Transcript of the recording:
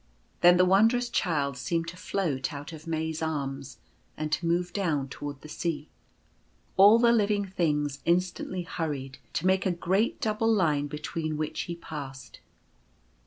Then the Wondrous Child seemed to float out of May's arms and to move down toward the sea. All the living things instantly hurried to make a great double line between which he passed.